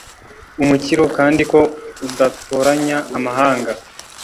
umukiro, kandi ko udatoranya, amahanga